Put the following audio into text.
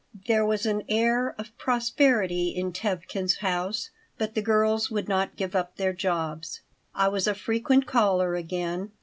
There was an air of prosperity in Tevkin's house, but the girls would not give up their jobs. I was a frequent caller again.